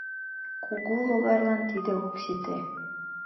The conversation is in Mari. Кугу логарлан тиде ок сите.